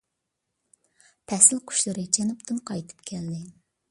پەسىل قۇشلىرى جەنۇبتىن قايتىپ كەلدى.